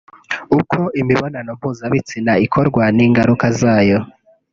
uko imibonano mpuzabitsina ikorwa n’ingaruka zayo